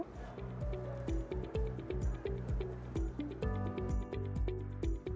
telur yang berada di pasaran